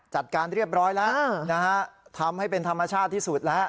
จัดการเรียบร้อยแล้วนะฮะทำให้เป็นธรรมชาติที่สุดแล้ว